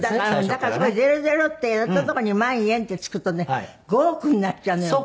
だからそこで「００」ってやったとこに「万円」って付くとね５億になっちゃうのよ。